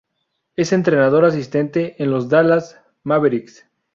Es entrenador asistente en los Dallas Mavericks.